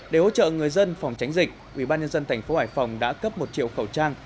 để hỗ trợ người dân phòng tránh dịch ubnd tp hải phòng đã cấp một triệu khẩu trang